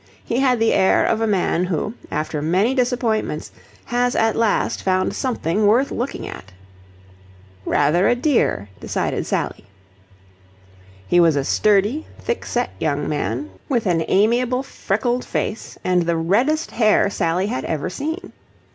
He had the air of a man who, after many disappointments, has at last found something worth looking at. "Rather a dear," decided Sally. He was a sturdy, thick set young man with an amiable, freckled face and the reddest hair Sally had ever seen.